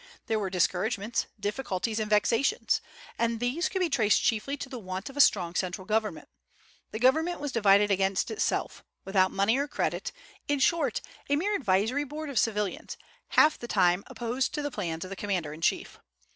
There were discouragements, difficulties, and vexations; and these could be traced chiefly to the want of a strong central government. The government was divided against itself, without money or credit, in short, a mere advisory board of civilians, half the time opposed to the plans of the commander in chief.